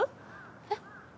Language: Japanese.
えっ。